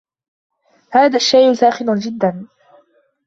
هذا الشاي ساخن جدا